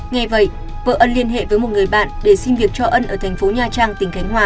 nghe vậy vợ ân liên hệ với một người bạn để xin việc cho ân ở thành phố nha trang tỉnh khánh hòa